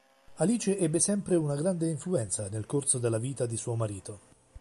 Alice ebbe sempre una grande influenza nel corso della vita di suo marito.